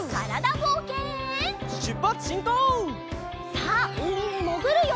さあうみにもぐるよ！